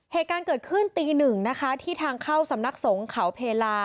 เหตุการณ์เกิดขึ้นตีหนึ่งนะคะที่ทางเข้าสำนักสงฆ์เขาเพลา